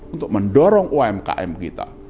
untuk mendorong umkm kita